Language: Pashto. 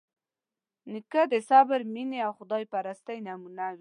نیکه د صبر، مینې او خدایپرستۍ نمونه وي.